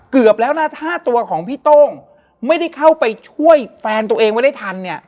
เกือบแล้วนะถ้าตัวของพี่โต้งไม่ได้เข้าไปช่วยแฟนตัวเองไว้ได้ทันเนี่ย